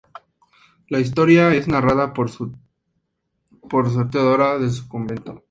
La historia es narrada por sor Teodora desde su convento.